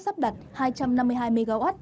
sắp đặt hai trăm năm mươi hai mw